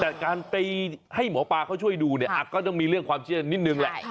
แต่การไปให้หมอปลาเขาช่วยดูเนี่ยก็ต้องมีเรื่องความเชื่อนิดนึงแหละ